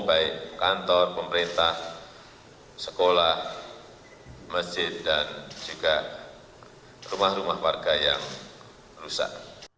baik kantor pemerintah sekolah masjid dan juga rumah rumah warga yang rusak